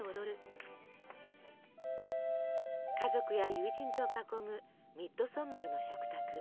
家族や友人と囲むミッドソンマルの食卓。